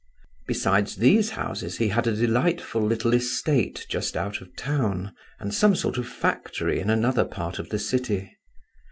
Besides these houses he had a delightful little estate just out of town, and some sort of factory in another part of the city.